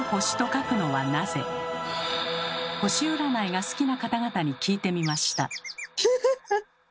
星占いが好きな方々に聞いてみました。